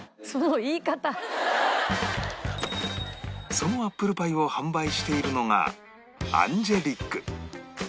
そのアップルパイを販売しているのがアンジェリック